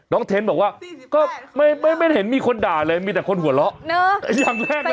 น้องเท้นบอกว่าก็ไม่เห็นมีคนด่าเลยมีแต่คนหัวเลาะเนอะ